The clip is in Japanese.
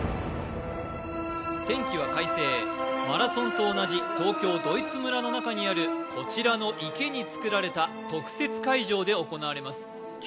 天気は快晴、マラソンと同じ、東京ドイツ村の中にあるこちらの池に造られた特設会場で行われます。